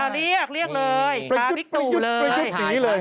เรียกเรียกเลยทาบิกตูเลย